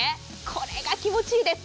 これが気持ちいいです。